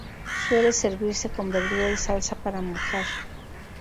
Suele servirse con verdura y salsa para mojar.